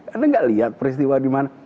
anda nggak lihat peristiwa di mana